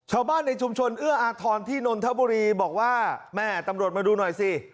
ชาวบ้านในชุมชนเอื้ออาทรที่นนทบุรีบอกว่าแม่ตำรวจมาดูหน่อยสิ